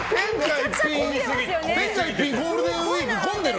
天下一品、ゴールデンウィーク混んでる？